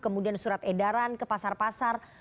kemudian surat edaran ke pasar pasar